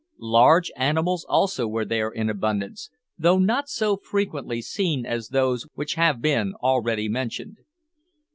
Large animals also were there in abundance, though not so frequently seen as those which have been already mentioned.